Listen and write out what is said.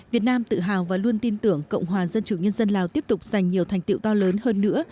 việt nam tự hào và luôn tin tưởng cộng hòa dân chủ nhân dân lào tiếp tục giành nhiều thành tiệu to lớn hơn nữa